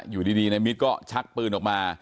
อยู่ดีในมิตรก็ชักปืนออกมา